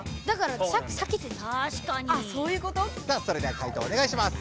さあそれではかい答おねがいします。